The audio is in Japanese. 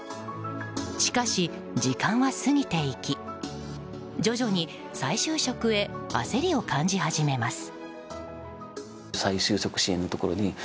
しかし、時間は過ぎていき徐々に再就職へ焦りを感じ始めます。